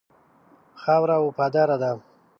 خاوره وفاداره ده.